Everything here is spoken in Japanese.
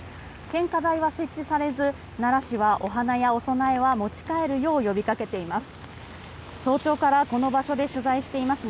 献花台は設置されず奈良市は、お花やお供えは持ち帰るよう呼びかけています。